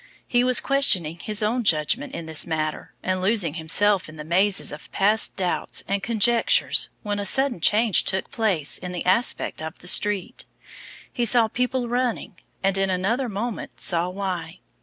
He was questioning his own judgment in this matter and losing himself in the mazes of past doubts and conjectures when a sudden change took place in the aspect of the street; he saw people running, and in another moment saw why.